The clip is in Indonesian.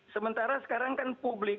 sementara sekarang kan publik